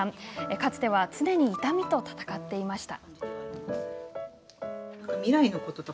かつては、常に痛みと闘っていました。